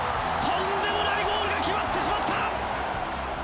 とんでもないゴールが決まってしまった！